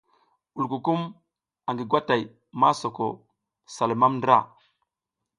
Wulkukum angi gwatay masoko sa lumam ndra.